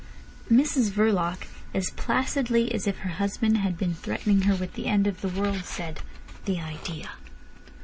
Mrs Verloc, as placidly as if her husband had been threatening her with the end of the world, said: "The idea!"